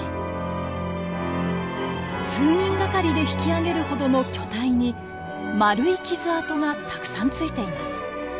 数人がかりで引き上げるほどの巨体に円い傷痕がたくさんついています。